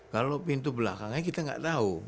kalau pintu belakangnya kita nggak tahu